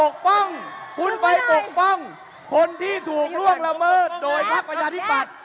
คุณไปปกป้องคนที่ถูกล่วงละเมิดโดยภัคดิ์ประชาธิบัติ